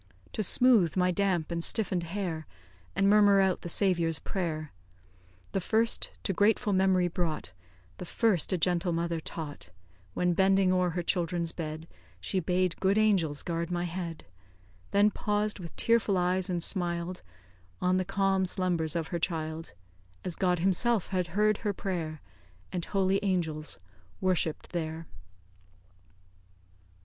To smooth my damp and stiffen'd hair, And murmur out the Saviour's prayer The first to grateful memory brought, The first a gentle mother taught, When, bending o'er her children's bed, She bade good angels guard my head; Then paused, with tearful eyes, and smiled On the calm slumbers of her child As God himself had heard her prayer, And holy angels worshipped there.